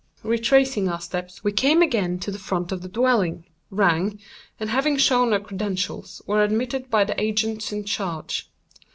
Retracing our steps, we came again to the front of the dwelling, rang, and, having shown our credentials, were admitted by the agents in charge.